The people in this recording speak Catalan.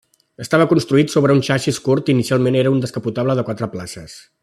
Estava construït sobre un xassís curt i inicialment era un descapotable de quatre places.